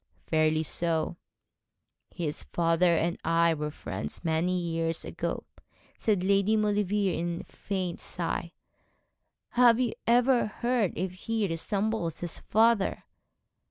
'Fairly so.' 'His father and I were friends many years ago,' said Lady Maulevrier, with a faint sigh. 'Have you ever heard if he resembles his father?'